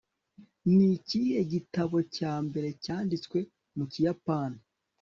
ni ikihe gitabo cya mbere cyanditswe mu kiyapani